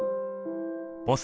ボス